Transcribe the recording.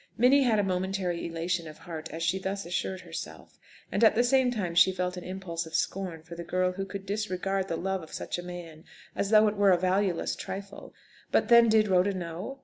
Minnie had a momentary elation of heart as she thus assured herself, and at the same time she felt an impulse of scorn for the girl who could disregard the love of such a man, as though it were a valueless trifle. But, then, did Rhoda know?